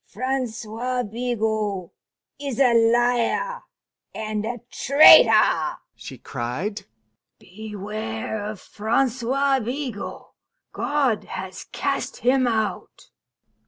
"Francois Bigot is a liar and a traitor!" she cried. "Beware of Francois Bigot! God has cast him out."